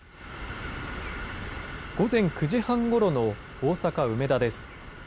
午前９時半ごろの大阪梅田です。